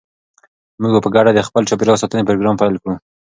موږ به په ګډه د خپل چاپیریال ساتنې پروګرام پیل کړو.